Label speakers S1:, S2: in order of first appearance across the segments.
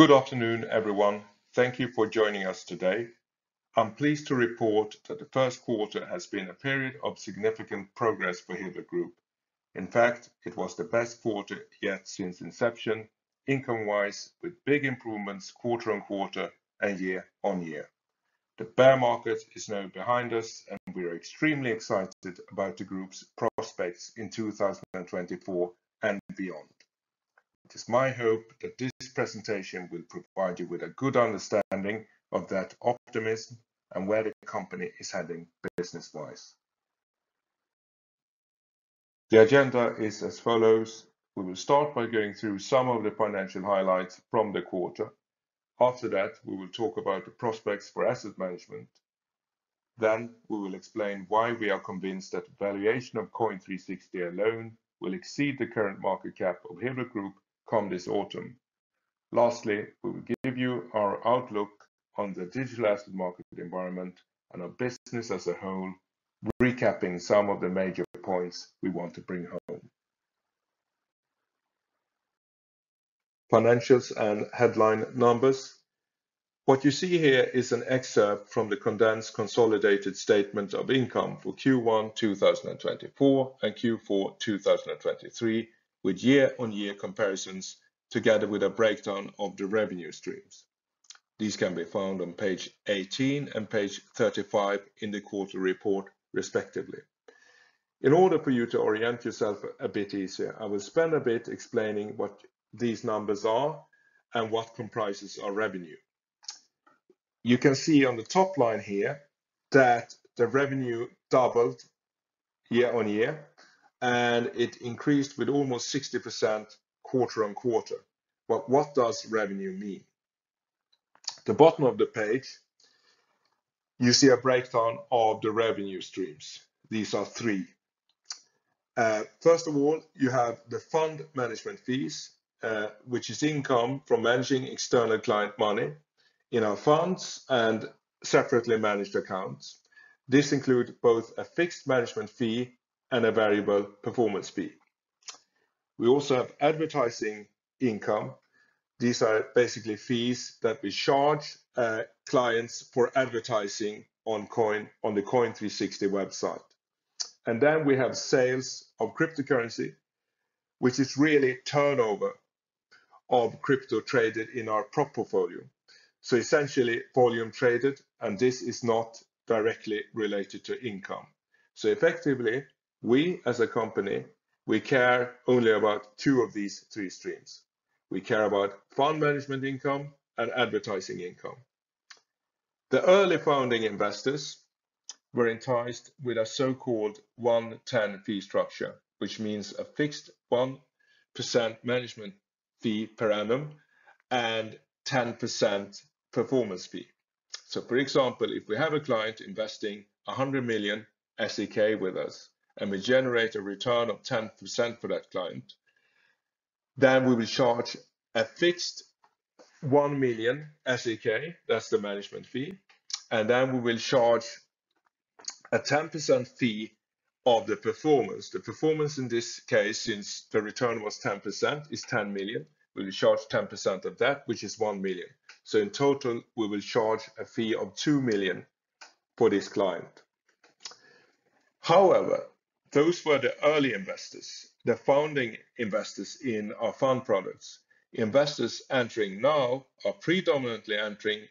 S1: Good afternoon, everyone. Thank you for joining us today. I'm pleased to report that the first quarter has been a period of significant progress for Hilbert Group. In fact, it was the best quarter yet since inception, income-wise, with big improvements quarter-over-quarter and year-over-year. The bear market is now behind us, and we are extremely excited about the group's prospects in 2024 and beyond. It is my hope that this presentation will provide you with a good understanding of that optimism and where the company is heading business-wise. The agenda is as follows: We will start by going through some of the financial highlights from the quarter. After that, we will talk about the prospects for asset management. Then we will explain why we are convinced that the valuation of Coin360 alone will exceed the current market cap of Hilbert Group come this autumn. Lastly, we will give you our outlook on the digital asset market environment and our business as a whole, recapping some of the major points we want to bring home. Financials and headline numbers. What you see here is an excerpt from the condensed consolidated statement of income for Q1, 2024, and Q4, 2023, with year-on-year comparisons together with a breakdown of the revenue streams. These can be found on page 18 and page 35 in the quarter report, respectively. In order for you to orient yourself a bit easier, I will spend a bit explaining what these numbers are and what comprises our revenue. You can see on the top line here that the revenue doubled year on year, and it increased with almost 60% quarter on quarter. But what does revenue mean? The bottom of the page, you see a breakdown of the revenue streams. These are three. First of all, you have the fund management fees, which is income from managing external client money in our funds and separately managed accounts. This includes both a fixed management fee and a variable performance fee. We also have advertising income. These are basically fees that we charge clients for advertising on Coin, on the Coin360 website. And then we have sales of cryptocurrency, which is really turnover of crypto traded in our prop portfolio. So essentially, volume traded, and this is not directly related to income. So effectively, we as a company, we care only about two of these three streams. We care about fund management income and advertising income. The early founding investors were enticed with a so-called 1/10 fee structure, which means a fixed 1% management fee per annum and 10% performance fee. So for example, if we have a client investing 100 million SEK with us, and we generate a return of 10% for that client, then we will charge a fixed 1 million SEK, that's the management fee, and then we will charge a 10% fee of the performance. The performance in this case, since the return was 10%, is 10 million. We will charge 10% of that, which is 1 million. So in total, we will charge a fee of 2 million for this client. However, those were the early investors, the founding investors in our fund products. Investors entering now are predominantly entering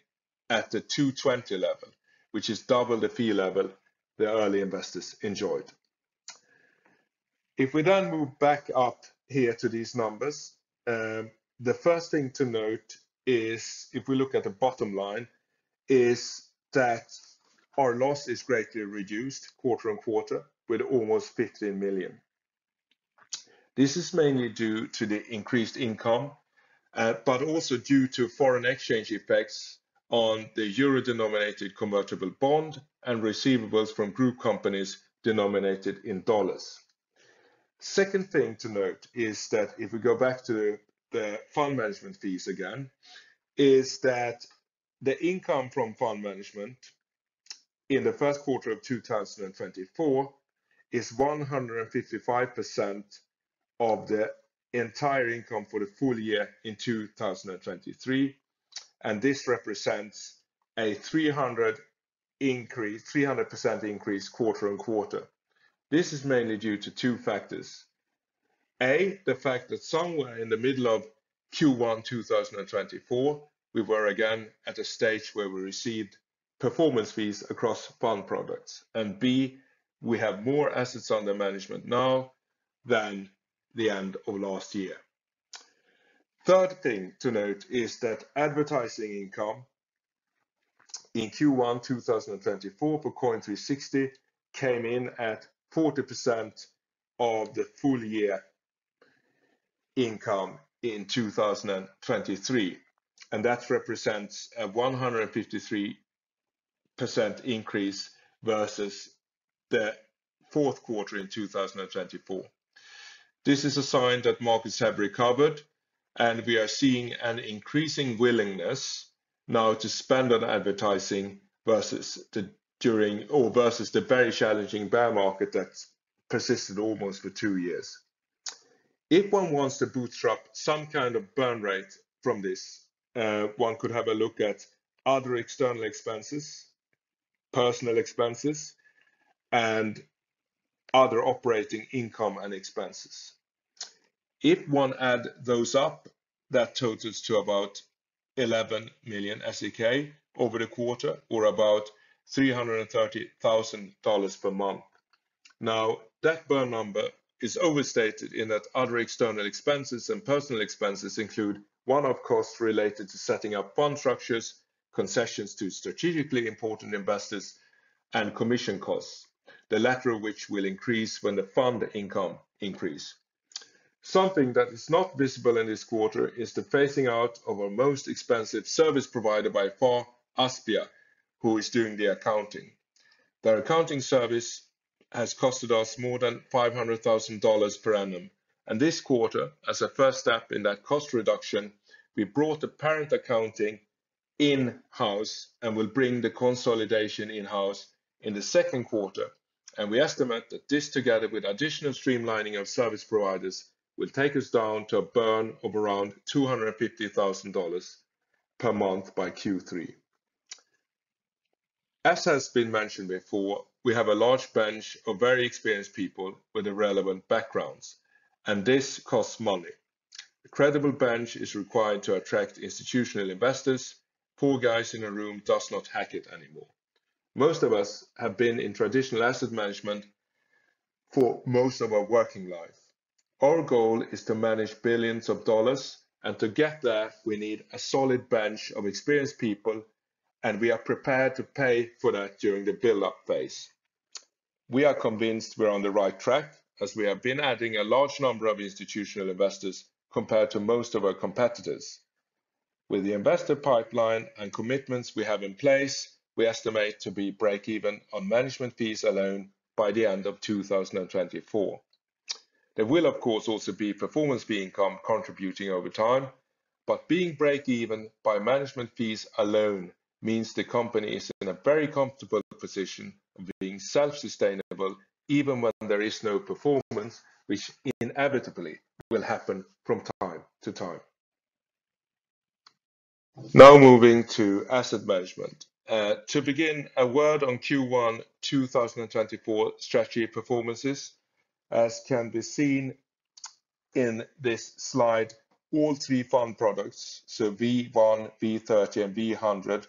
S1: at the 2/20 level, which is double the fee level the early investors enjoyed. If we then move back up here to these numbers, the first thing to note is, if we look at the bottom line, is that our loss is greatly reduced quarter-on-quarter with almost 15 million. This is mainly due to the increased income, but also due to foreign exchange effects on the euro-denominated convertible bond and receivables from group companies denominated in U.S. dollars. Second thing to note is that if we go back to the fund management fees again, is that the income from fund management in the first quarter of 2024 is 155% of the entire income for the full year in 2023, and this represents a 300% increase, 300% increase quarter-on-quarter. This is mainly due to two factors. A, the fact that somewhere in the middle of Q1, 2024, we were again at a stage where we received performance fees across fund products. And B, we have more assets under management now than the end of last year. Third thing to note is that advertising income in Q1 2024 for Coin360 came in at 40% of the full year income in 2023, and that represents a 153% increase versus the fourth quarter in 2024. This is a sign that markets have recovered, and we are seeing an increasing willingness now to spend on advertising versus the during or versus the very challenging bear market that's persisted almost for two years.... If one wants to bootstrap some kind of burn rate from this, one could have a look at other external expenses, personal expenses, and other operating income and expenses. If one add those up, that totals to about 11 million SEK over the quarter, or about $330,000 per month. Now, that burn number is overstated in that other external expenses and personal expenses include one-off costs related to setting up fund structures, concessions to strategically important investors, and commission costs, the latter of which will increase when the fund income increase. Something that is not visible in this quarter is the phasing out of our most expensive service provider by far, Aspia, who is doing the accounting. Their accounting service has costed us more than SEK 500,000 per annum, and this quarter, as a first step in that cost reduction, we brought the parent accounting in-house and will bring the consolidation in-house in the second quarter, and we estimate that this, together with additional streamlining of service providers, will take us down to a burn of around SEK 250,000 per month by Q3. As has been mentioned before, we have a large bench of very experienced people with the relevant backgrounds, and this costs money. A credible bench is required to attract institutional investors. Poor guys in a room does not hack it anymore. Most of us have been in traditional asset management for most of our working life. Our goal is to manage billions of dollars, and to get there, we need a solid bench of experienced people, and we are prepared to pay for that during the build-up phase. We are convinced we're on the right track, as we have been adding a large number of institutional investors compared to most of our competitors. With the investor pipeline and commitments we have in place, we estimate to be breakeven on management fees alone by the end of 2024. There will, of course, also be performance fee income contributing over time, but being breakeven by management fees alone means the company is in a very comfortable position of being self-sustainable, even when there is no performance, which inevitably will happen from time to time. Now, moving to asset management. To begin, a word on Q1 2024 strategy performances. As can be seen in this slide, all three fund products, so V1, V30, and V100,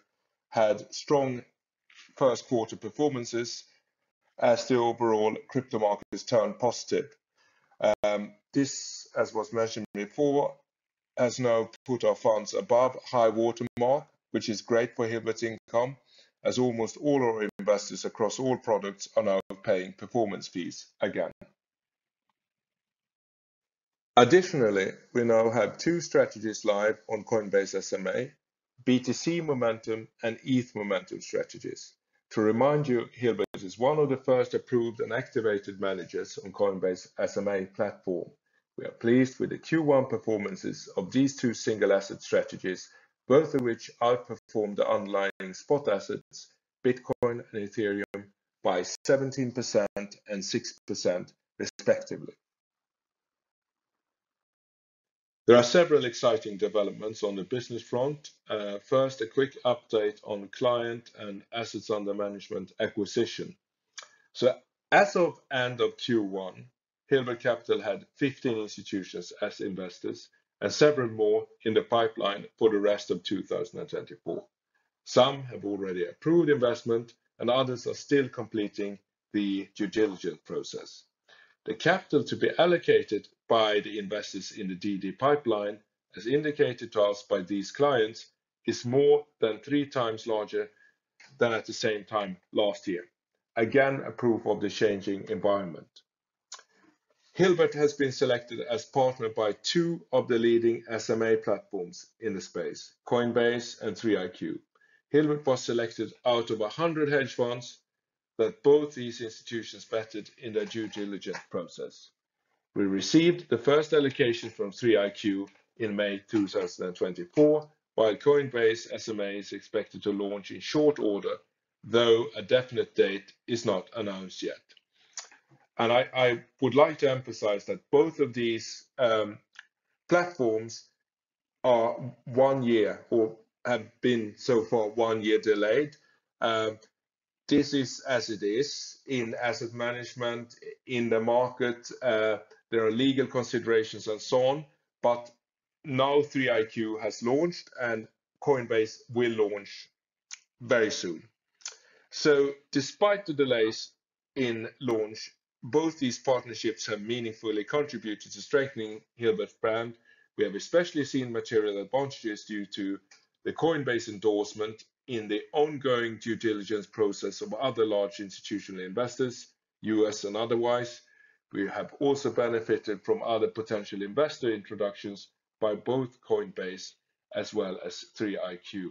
S1: had strong first quarter performances as the overall crypto markets turned positive. This, as was mentioned before, has now put our funds above high-water mark, which is great for Hilbert income, as almost all our investors across all products are now paying performance fees again. Additionally, we now have two strategies live on Coinbase SMA, BTC Momentum and ETH Momentum strategies. To remind you, Hilbert is one of the first approved and activated managers on Coinbase SMA platform. We are pleased with the Q1 performances of these two single asset strategies, both of which outperformed the underlying spot assets, Bitcoin and Ethereum, by 17% and 6% respectively. There are several exciting developments on the business front. First, a quick update on client and assets under management acquisition. So as of end of Q1, Hilbert Capital had 15 institutions as investors and several more in the pipeline for the rest of 2024. Some have already approved investment, and others are still completing the due diligence process. The capital to be allocated by the investors in the DD pipeline, as indicated to us by these clients, is more than 3 times larger than at the same time last year. Again, a proof of the changing environment. Hilbert has been selected as partner by two of the leading SMA platforms in the space, Coinbase and 3iQ. Hilbert was selected out of 100 hedge funds that both these institutions vetted in their due diligence process. We received the first allocation from 3iQ in May 2024, while Coinbase SMA is expected to launch in short order, though a definite date is not announced yet. I would like to emphasize that both of these platforms are one year or have been so far, one year delayed. This is as it is in asset management, in the market, there are legal considerations and so on, but now 3iQ has launched, and Coinbase will launch very soon. So despite the delays in launch, both these partnerships have meaningfully contributed to strengthening Hilbert brand. We have especially seen material advantages due to the Coinbase endorsement in the ongoing due diligence process of other large institutional investors, US and otherwise. We have also benefited from other potential investor introductions by both Coinbase as well as 3iQ.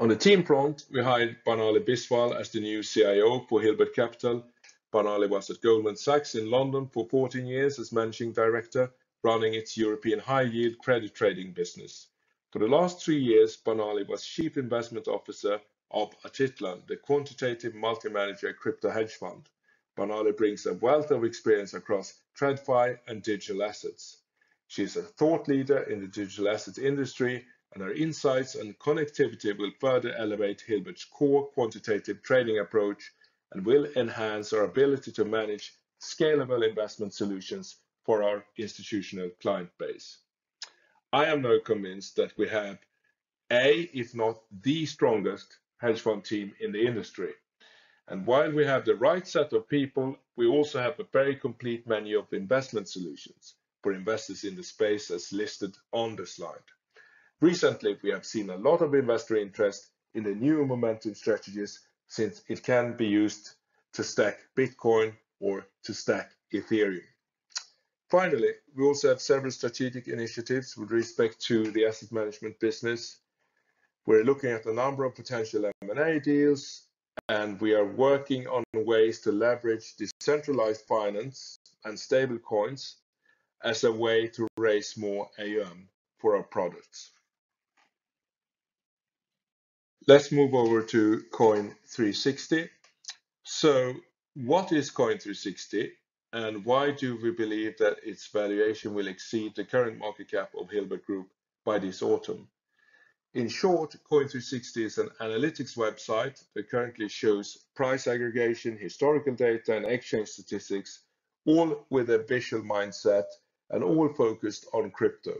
S1: On the team front, we hired Barnali Biswal as the new CIO for Hilbert Capital. Barnali was at Goldman Sachs in London for 14 years as Managing Director, running its European high-yield credit trading business. For the last three years, Barnali was Chief Investment Officer of Atitlan, the quantitative multi-manager crypto hedge fund. Barnali brings a wealth of experience across TradFi and digital assets. She's a thought leader in the digital asset industry, and her insights and connectivity will further elevate Hilbert's core quantitative trading approach and will enhance our ability to manage scalable investment solutions for our institutional client base. I am now convinced that we have a, if not the strongest, hedge fund team in the industry, and while we have the right set of people, we also have a very complete menu of investment solutions for investors in the space as listed on the slide. Recently, we have seen a lot of investor interest in the new momentum strategies since it can be used to stack Bitcoin or to stack Ethereum. Finally, we also have several strategic initiatives with respect to the asset management business. We're looking at a number of potential M&A deals, and we are working on ways to leverage decentralized finance and stablecoins as a way to raise more AUM for our products. Let's move over to Coin360. So what is Coin360, and why do we believe that its valuation will exceed the current market cap of Hilbert Group by this autumn? In short, Coin360 is an analytics website that currently shows price aggregation, historical data, and exchange statistics, all with a visual mindset and all focused on crypto.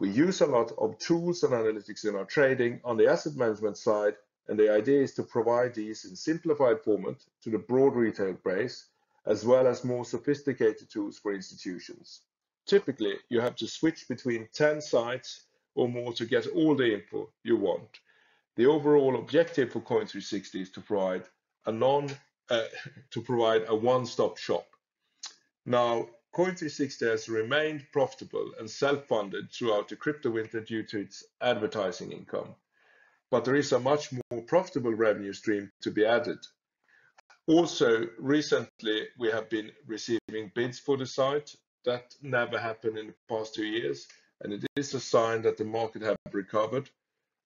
S1: We use a lot of tools and analytics in our trading on the asset management side, and the idea is to provide these in simplified format to the broad retail base, as well as more sophisticated tools for institutions. Typically, you have to switch between 10 sites or more to get all the info you want. The overall objective for Coin360 is to provide a one-stop shop. Now, Coin360 has remained profitable and self-funded throughout the crypto winter due to its advertising income, but there is a much more profitable revenue stream to be added. Also, recently, we have been receiving bids for the site. That never happened in the past two years, and it is a sign that the market have recovered.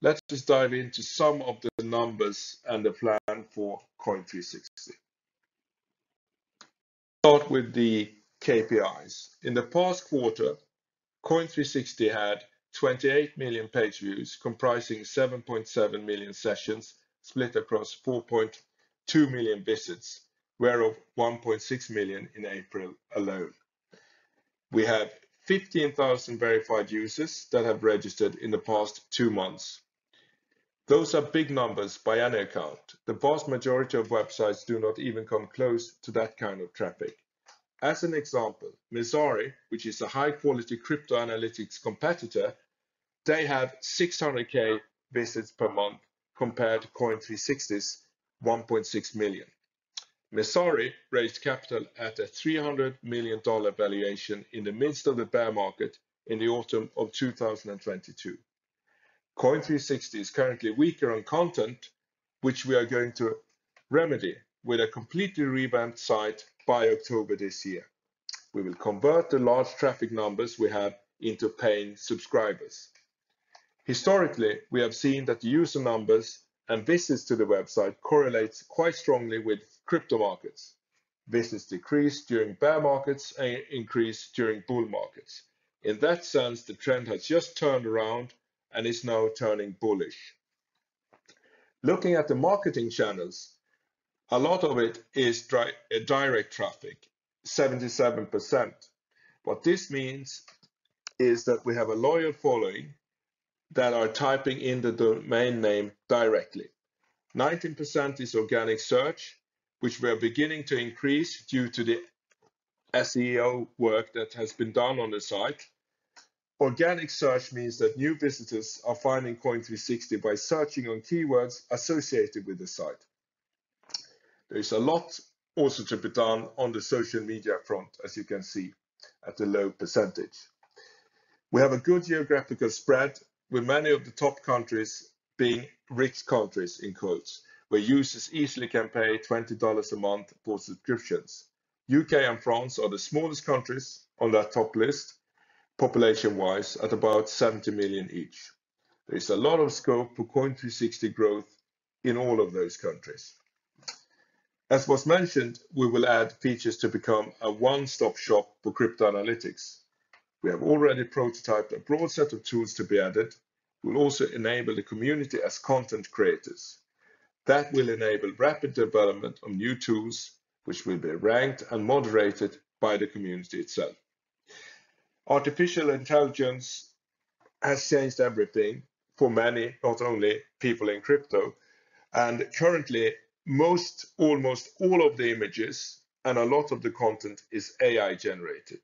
S1: Let's just dive into some of the numbers and the plan for Coin360. Start with the KPIs. In the past quarter, Coin360 had 28 million page views, comprising 7.7 million sessions, split across 4.2 million visits, whereof 1.6 million in April alone. We have 15,000 verified users that have registered in the past two months. Those are big numbers by any account. The vast majority of websites do not even come close to that kind of traffic. As an example, Messari, which is a high-quality crypto analytics competitor, they have 600K visits per month, compared to Coin360's 1.6 million. Messari raised capital at a $300 million valuation in the midst of the bear market in the autumn of 2022. Coin360 is currently weaker on content, which we are going to remedy with a completely revamped site by October this year. We will convert the large traffic numbers we have into paying subscribers. Historically, we have seen that user numbers and visits to the website correlates quite strongly with crypto markets. Visits decrease during bear markets and increase during bull markets. In that sense, the trend has just turned around and is now turning bullish. Looking at the marketing channels, a lot of it is direct traffic, 77%. What this means is that we have a loyal following that are typing in the domain name directly. 19% is organic search, which we are beginning to increase due to the SEO work that has been done on the site. Organic search means that new visitors are finding Coin360 by searching on keywords associated with the site. There is a lot also to be done on the social media front, as you can see at the low percentage. We have a good geographical spread, with many of the top countries being rich countries, in quotes, where users easily can pay $20 a month for subscriptions. UK and France are the smallest countries on that top list, population-wise, at about 70 million each. There is a lot of scope for Coin360 growth in all of those countries. As was mentioned, we will add features to become a one-stop shop for crypto analytics. We have already prototyped a broad set of tools to be added. We'll also enable the community as content creators. That will enable rapid development of new tools, which will be ranked and moderated by the community itself. Artificial intelligence has changed everything for many, not only people in crypto, and currently, most—almost all of the images and a lot of the content is AI-generated,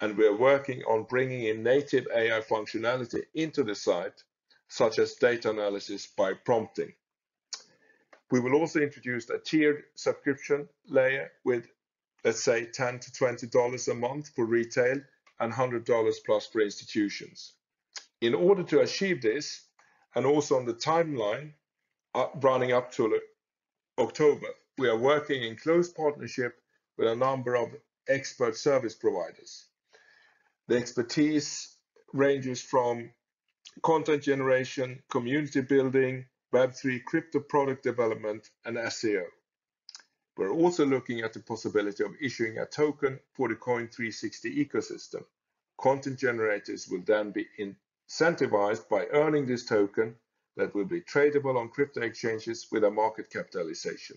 S1: and we are working on bringing in native AI functionality into the site, such as data analysis by prompting. We will also introduce a tiered subscription layer with, let's say, $10-$20 a month for retail and $100+ for institutions. In order to achieve this, and also on the timeline, running up to October. We are working in close partnership with a number of expert service providers. The expertise ranges from content generation, community building, Web3, crypto product development, and SEO. We're also looking at the possibility of issuing a token for the Coin360 ecosystem. Content generators will then be incentivized by earning this token that will be tradable on crypto exchanges with a market capitalization.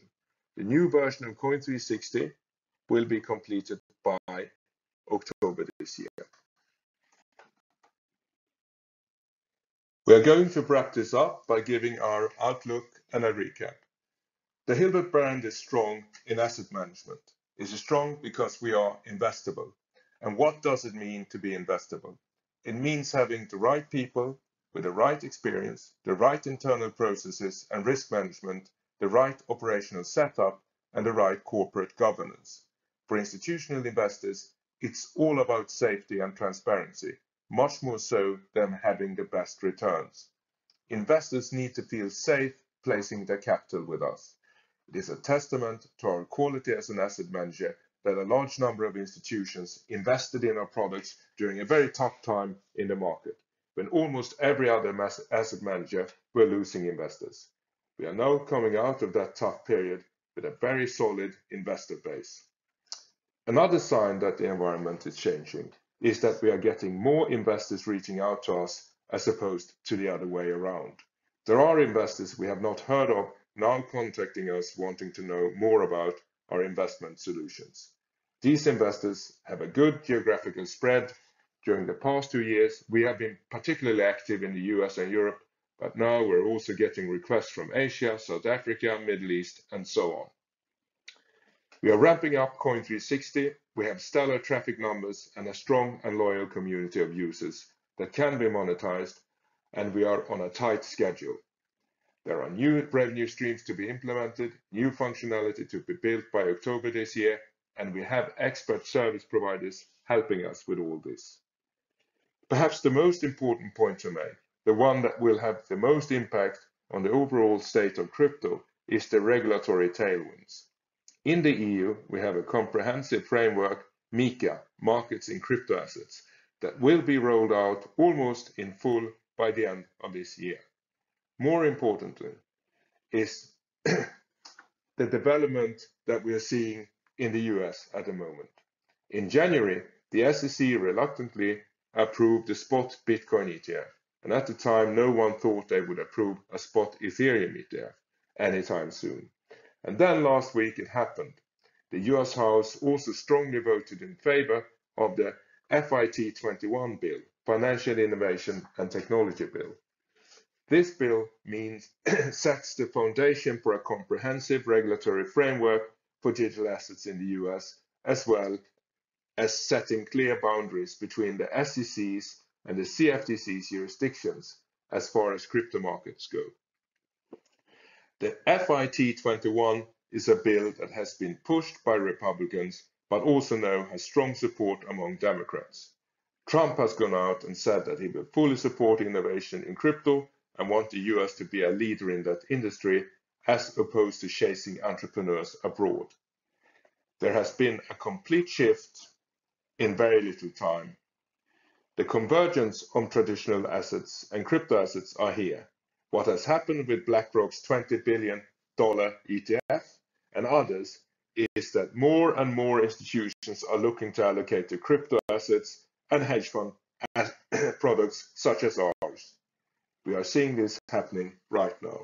S1: The new version of Coin360 will be completed by October this year. We are going to wrap this up by giving our outlook and a recap. The Hilbert brand is strong in asset management. It is strong because we are investable. And what does it mean to be investable? It means having the right people with the right experience, the right internal processes and risk management, the right operational setup, and the right corporate governance. For institutional investors, it's all about safety and transparency, much more so than having the best returns. Investors need to feel safe placing their capital with us. It is a testament to our quality as an asset manager that a large number of institutions invested in our products during a very tough time in the market, when almost every other asset manager were losing investors. We are now coming out of that tough period with a very solid investor base. Another sign that the environment is changing is that we are getting more investors reaching out to us, as opposed to the other way around. There are investors we have not heard of, now contacting us, wanting to know more about our investment solutions. These investors have a good geographical spread. During the past two years, we have been particularly active in the U.S. and Europe, but now we're also getting requests from Asia, South Africa, Middle East, and so on. We are ramping up Coin360. We have stellar traffic numbers and a strong and loyal community of users that can be monetized, and we are on a tight schedule. There are new revenue streams to be implemented, new functionality to be built by October this year, and we have expert service providers helping us with all this. Perhaps the most important point to make, the one that will have the most impact on the overall state of crypto, is the regulatory tailwinds. In the EU, we have a comprehensive framework, MiCA, Markets in Crypto-Assets, that will be rolled out almost in full by the end of this year. More importantly, is the development that we are seeing in the U.S. at the moment. In January, the SEC reluctantly approved the spot Bitcoin ETF, and at the time, no one thought they would approve a spot Ethereum ETF anytime soon. Last week, it happened. The U.S. House also strongly voted in favor of the FIT21 bill, Financial Innovation and Technology bill. This bill means, sets the foundation for a comprehensive regulatory framework for digital assets in the U.S., as well as setting clear boundaries between the SEC's and the CFTC's jurisdictions as far as crypto markets go. The FIT21 is a bill that has been pushed by Republicans, but also now has strong support among Democrats. Trump has gone out and said that he will fully support innovation in crypto and want the U.S. to be a leader in that industry, as opposed to chasing entrepreneurs abroad. There has been a complete shift in very little time. The convergence on traditional assets and crypto assets are here. What has happened with BlackRock's $20 billion ETF and others is that more and more institutions are looking to allocate to crypto assets and hedge fund-type products such as ours. We are seeing this happening right now.